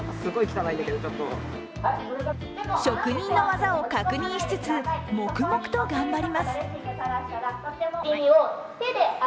職人の技を確認しつつ黙々と頑張ります。